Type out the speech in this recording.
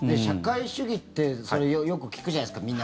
社会主義ってよく聞くじゃないですか。